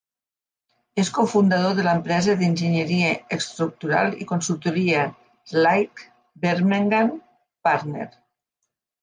És cofundador de l'empresa d'enginyeria estructural i consultoria schlaich bergermann partner.